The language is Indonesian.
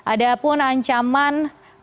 ada pun ancaman